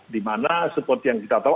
dimana seperti yang kita tahu